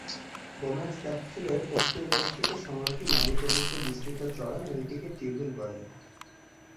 Bowman's ক্যাপসুলের অক্ষীয়দেশ থেকে সংগ্রহী নালী পর্যন্ত বিস্তৃত চওড়া নালীটিকে টিউব্যুল বলে।